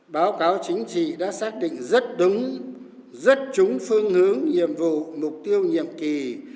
báo cáo chính trị đã xác định rất đúng rất trúng phương hướng nhiệm vụ mục tiêu nhiệm kỳ hai nghìn hai mươi hai nghìn hai mươi năm